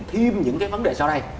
thêm những cái vấn đề sau đây